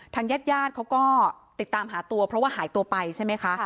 ญาติญาติเขาก็ติดตามหาตัวเพราะว่าหายตัวไปใช่ไหมคะ